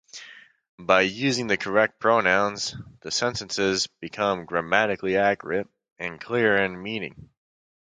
By using the correct pronouns, the sentences become grammatically accurate and clear in meaning.